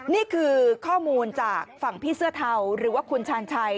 นี่คือข้อมูลจากฝั่งพี่เสื้อเทาหรือว่าคุณชาญชัย